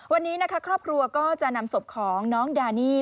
วันนี้นะคะครอบครัวก็จะนำศพของน้องดานี่